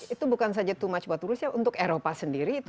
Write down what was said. itu bukan saja cuma buat rusia untuk eropa sendiri